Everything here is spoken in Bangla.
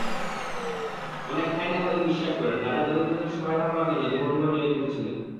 অনেক থাই নাগরিক বিশ্বাস করেন, রাজা দরিদ্রদের সহায়তা করার জন্য জীবনভর নিয়োজিত ছিলেন।